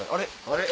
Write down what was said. あれ？